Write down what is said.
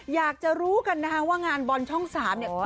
อยากจะรู้กันนะคะว่างานบอลช่อง๓เนี่ย